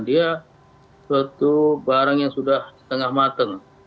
dia suatu barang yang sudah setengah mateng